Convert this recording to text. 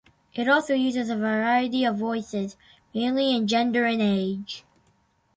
It also uses a variety of voices, mainly in gender and age.